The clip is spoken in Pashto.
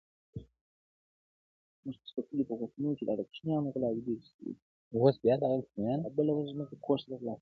دعا لکه چي نه مني یزدان څه به کوو؟-